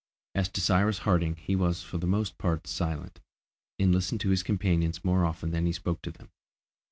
As to Cyrus Harding he was for the most part silent, and listened to his companions more often than he spoke to them.